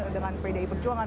dengan pdi perjuangan